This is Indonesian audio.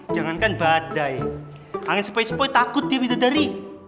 jangankan badai angin sepoi sepoi takut dia bidadari